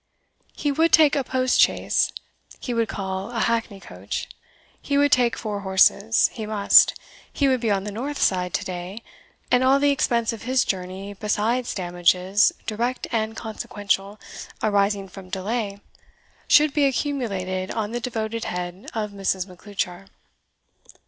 He would take a post chaise he would call a hackney coach he would take four horses he must he would be on the north side, to day and all the expense of his journey, besides damages, direct and consequential, arising from delay, should be accumulated on the devoted head of Mrs. Macleuchar.